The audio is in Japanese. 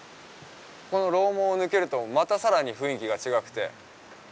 この楼門を抜けると、またさらに雰囲気が違うくて。